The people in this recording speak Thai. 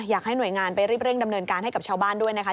อยากให้หน่วยงานไปรีบเร่งดำเนินการให้กับชาวบ้านด้วยนะคะ